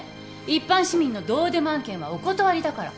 一般市民のどうでも案件はお断りだから。